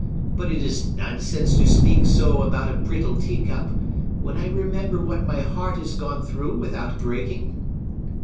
But it is nonsense to speak so about a brittle teacup, when I remember what my heart has gone through without breaking."